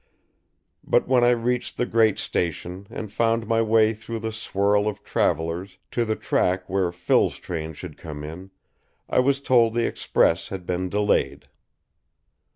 But when I reached the great station and found my way through the swirl of travelers to the track where Phil's train should come in, I was told the express had been delayed.